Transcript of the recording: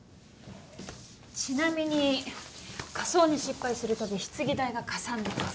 ちなみに火葬に失敗するたび棺代がかさんでます。